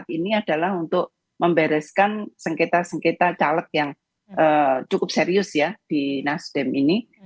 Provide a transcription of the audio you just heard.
ini adalah untuk membereskan sengketa sengketa caleg yang cukup serius ya di nasdem ini